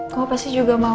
kamu pasti juga mau kan